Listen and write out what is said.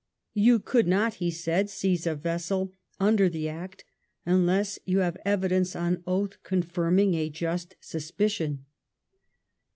You could not, he said, seize a vessel under the act unless you have evidence on oath confirming a just suspicion.